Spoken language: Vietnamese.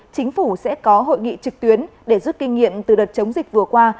chính phủ sẽ có hội nghị trực tuyến để rút kinh nghiệm từ đợt chống dịch vừa qua